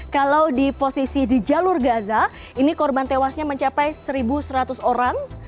kalau di posisi di jalur gaza ini korban tewasnya mencapai satu seratus orang